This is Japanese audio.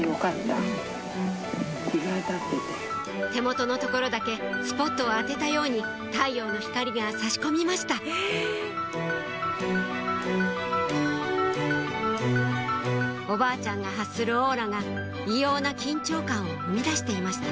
手元の所だけスポットを当てたように太陽の光が差し込みましたおばあちゃんが発するオーラが異様な緊張感を生み出していました